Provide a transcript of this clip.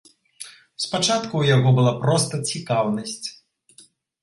Спачатку ў яго была проста цікаўнасць.